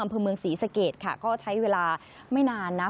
อำเภอเมืองศรีสะเกดค่ะก็ใช้เวลาไม่นานนะ